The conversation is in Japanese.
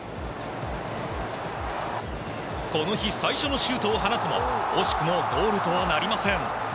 この日最初のシュートを放つも惜しくもゴールとはなりません。